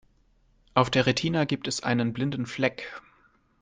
Auf der Retina gibt es einen blinden Fleck.